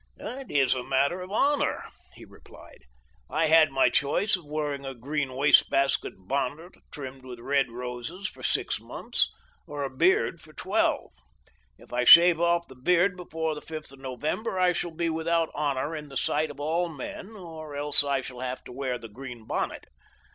"It is a matter of my honor," he replied. "I had my choice of wearing a green wastebasket bonnet trimmed with red roses for six months, or a beard for twelve. If I shave off the beard before the fifth of November I shall be without honor in the sight of all men or else I shall have to wear the green bonnet.